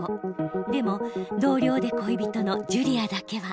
でも同僚で恋人のジュリアだけは。